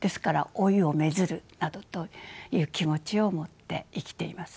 「老いを愛づる」などという気持ちを持って生きています。